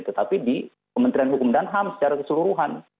tetapi di kementerian hukum dan ham secara keseluruhan